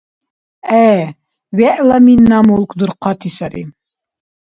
ГӀе, вегӀла мина-мулк дурхъати сари.